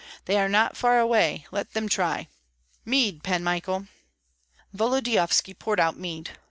They are not far away, let them try! Mead, Pan Michael!" Volodyovski poured out mead.